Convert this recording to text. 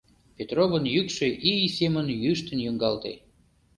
— Петровын йӱкшӧ ий семын йӱштын йоҥгалте.